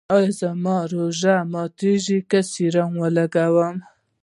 ایا زما روژه ماتیږي که سیروم ولګوم؟